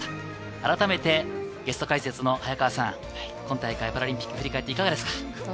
改めてゲスト解説の早川さん、今大会、パラリンピック振り返っていかがですか？